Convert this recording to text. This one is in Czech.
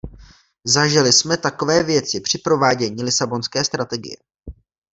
Zažili jsme takové věci při provádění Lisabonské strategie.